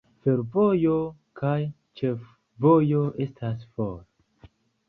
Fervojo kaj ĉefvojo estas for.